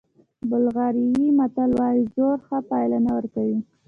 بلغاریایي متل وایي زور ښه پایله نه ورکوي.